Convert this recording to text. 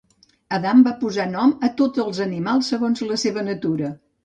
Adam va posar nom a tots els animals segons la seva natura.